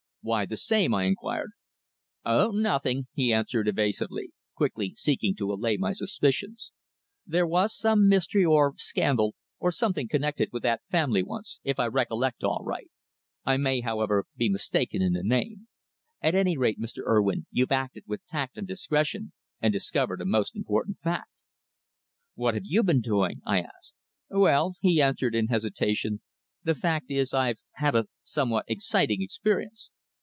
"Why the same?" I inquired. "Oh, nothing!" he answered evasively, quickly seeking to allay my suspicions. "There was some mystery, or scandal, or something connected with that family once, if I recollect aright. I may, however, be mistaken in the name. At any rate, Mr. Urwin, you've acted with tact and discretion, and discovered a most important fact." "What have you been doing?" I asked. "Well," he answered in hesitation, "the fact is, I've had a somewhat exciting experience."